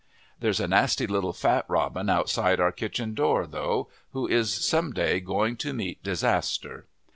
There's a nasty little fat robin outside our kitchen door, though, who is some day going to meet disaster.